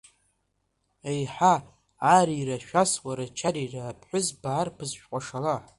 Еи-ҳа, аари-ра, шәас уара, чари-ра, аԥҳәызба, арԥыс, шәкәашала.